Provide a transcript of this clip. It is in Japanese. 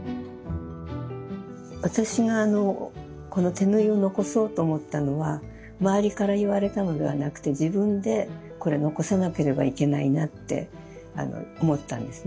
私がこの手縫いを残そうと思ったのは周りから言われたのではなくて自分でこれ残さなければいけないなって思ったんですね。